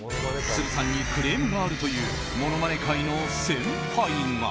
都留さんにクレームがあるというものまね界の先輩が。